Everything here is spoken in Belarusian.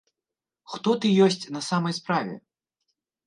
Хто ты ёсць на самай справе?